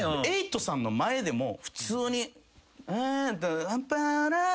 瑛人さんの前でも普通に。